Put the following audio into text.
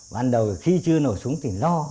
ban đầu khi chưa nổ súng thì lo